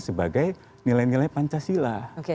sebagai nilai nilai pancasila